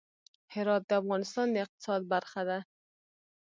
هرات د افغانستان د اقتصاد برخه ده.